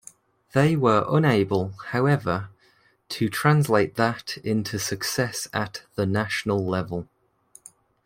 They were unable, however, to translate that into success at the national level.